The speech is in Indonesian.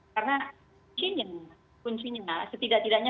karena kuncinya setidak tidaknya